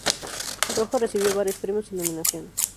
Rojo recibió varios premios y nominaciones.